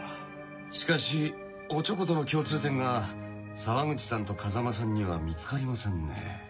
しかしオチョコとの共通点が沢口さんと風間さんには見つかりませんね。